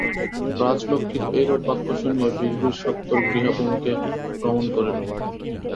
রাজলক্ষ্মীর এইরূপ বাক্য শুনিয়া বীরবর সত্বর গৃহাভিমুখে গমন করিল।